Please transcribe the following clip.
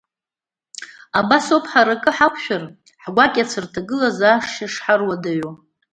Абас ауп ҳара акы ҳақәшәар ҳгәакьацәа рҭагылазаашьа шҳаруадаҩуа!